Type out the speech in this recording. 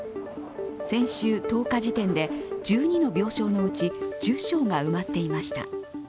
先週１０日時点で、１２の病床のうち１０床が埋まっていました。